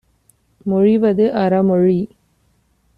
மொழிவது அற மொழி.